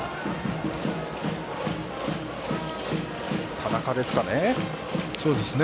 田中ですか。